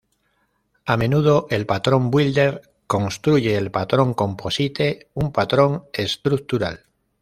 A menudo, el patrón builder construye el patrón Composite, un patrón estructural.